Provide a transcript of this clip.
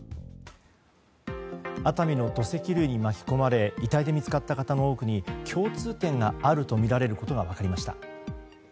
熱海の土石流に巻き込まれ遺体で見つかった方の多くに共通点があるとみられることが分かりました。